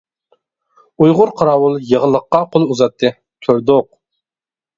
ئۇيغۇر قاراۋۇل ياغلىققا قول ئۇزاتتى، كۆردۇق.